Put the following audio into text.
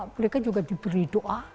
mereka juga diberi doa